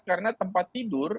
karena tempat tidur